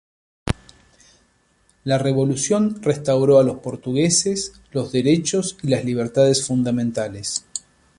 La Revolución restauró a los Portugueses los derechos y las libertades fundamentales.